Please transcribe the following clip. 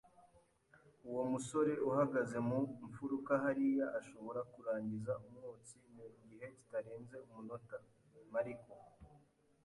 Uwo musore uhagaze mu mfuruka hariya ashobora kurangiza umwotsi mu gihe kitarenze umunota. (Mariko)